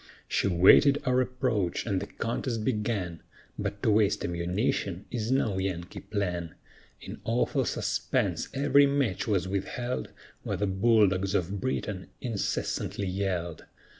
She waited our approach, and the contest began, But to waste ammunition is no Yankee plan; In awful suspense every match was withheld, While the bull dogs of Britain incessantly yelled.